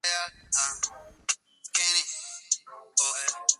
Viator se crio en New Iberia, Louisiana.